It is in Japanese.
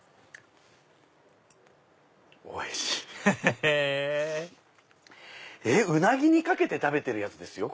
へぇウナギにかけて食べてるやつですよ